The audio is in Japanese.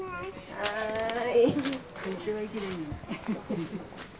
はい。